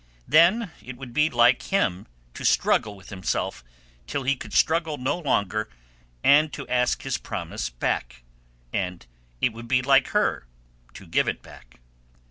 Then it would be like him to struggle with himself till he could struggle no longer and to ask his promise back, and it would be like her to give it back.